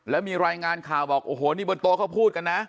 แล้วมีรายงานข่าวบอกโอ้โหนี่บนโต๊ะเขาพูดกันนะ